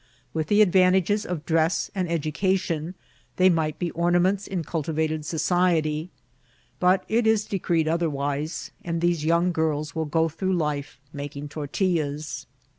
With the advantages of dress and education, they might be ornaments in cultivated society ; but it is decreed otherwise, and these young girls will go through life making tortillas.